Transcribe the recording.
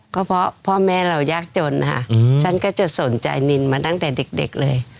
ก็เพราะแม่เรายากจนฉันก็จะสนใจนิลล์มาตั้งแต่เด็ก